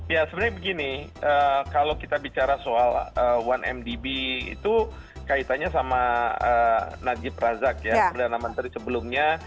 ya sebenarnya begini kalau kita bicara soal satu mdb itu kaitannya sama najib razak ya perdana menteri sebelumnya